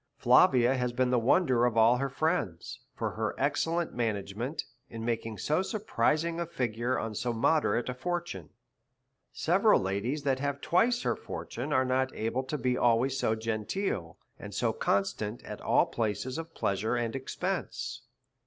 Flavia has been the wonder of all her friends, for her excellent management in making so surprising a figure on so moderate a fortune. Several ladies tha;t have twice her fortune arc not able always to be so F 7 9. 68 A SERIOUS CALL TO A genteel^ and so constant at all places of pleasure and expense.